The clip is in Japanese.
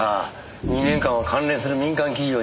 ２年間は関連する民間企業に天下れない。